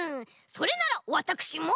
それならわたくしも！